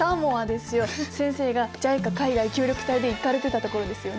先生がＪＩＣＡ海外協力隊で行かれてた所ですよね。